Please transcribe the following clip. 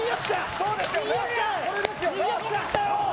そうですよね？